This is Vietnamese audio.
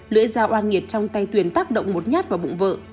lưỡi dao an nghiệt trong tay tuyền tác động một nhát vào bụng vợ